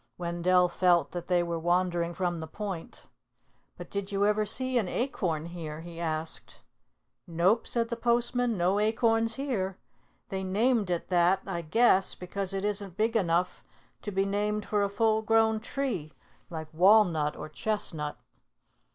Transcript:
Wendell felt that they were wandering from the point. "But did you ever see an acorn here?" he asked. "Nope," said the postman. "No acorns here. They named it that, I guess, because it isn't big enough to be named for a full grown tree like Walnut or Chestnut.